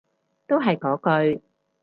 都係嗰句